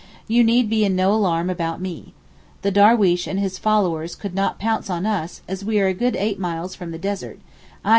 You need be in no alarm about me. The darweesh and his followers could not pounce on us as we are eight good miles from the desert, _i.